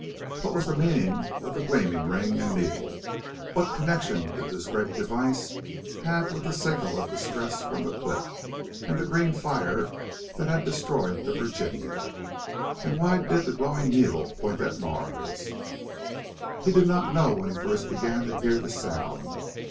What was the meaning of the gleaming ring and needle? What connection did this great device have with the signal of distress from the cliff, and the green fire that had destroyed the Virginia? And why did the glowing needle point at Mars? He did not know when he first began to hear the sound.